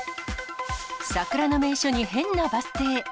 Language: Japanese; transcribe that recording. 桜の名所に変なバス停。